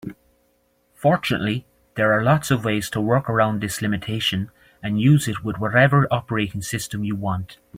Fortunately, there are lots of ways to work around this limitation and use it with whatever operating system you want.